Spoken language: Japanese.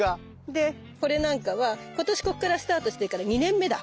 でこれなんかは今年こっからスタートしてるから２年目だ。